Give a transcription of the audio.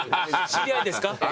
知り合いですか？